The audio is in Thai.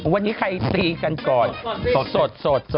วันนี้ใส่ไข่กันก่อนสด